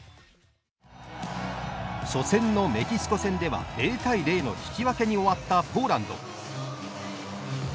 初戦のメキシコ戦では０対０の引き分けに終わったポーランド。